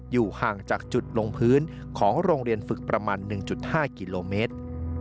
อยู่ห่างจากจุดลงพื้นของโรงเรียนฝึกประมาณ๑๕กิโลเมตร